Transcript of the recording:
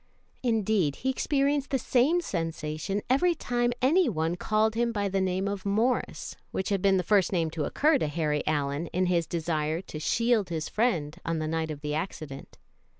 Indeed, he experienced the same sensation every time any one called him by the name of Morris, which had been the first name to occur to Harry Allyn, in his desire to shield his friend on the night of the accident.